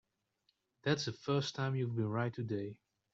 That's the first time you've been right today.